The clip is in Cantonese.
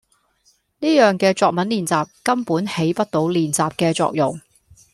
呢樣嘅作文練習根本起不到練習嘅作用